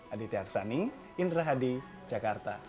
aditya aksani indra hadi jakarta